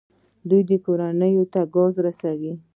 دوی کورونو ته ګاز رسوي.